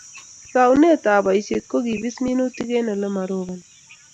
Taunetan boisiet ak kebis minutik eng Ole maroboni